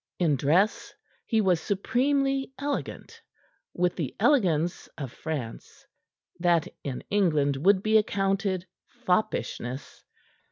In dress he was supremely elegant, with the elegance of France, that in England would be accounted foppishness.